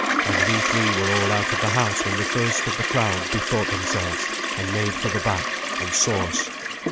And we three were all out of the house when the first of the crowd bethought themselves, and made for the back, and saw us.